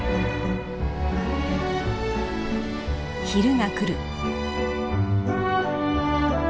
昼が来る。